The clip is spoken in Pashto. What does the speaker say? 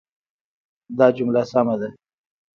دا جمله سمه ده.